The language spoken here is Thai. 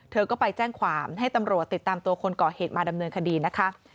เธอก็ไปแจ้งความให้ตำรวจติดตามตัวคนก่อเหตุมาดำเนินคดีนะคะ